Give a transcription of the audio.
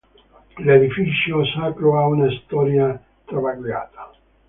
L'edificio sacro ha una storia travagliata.